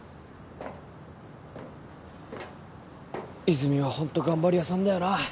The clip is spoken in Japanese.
泉はホント頑張り屋さんだよな。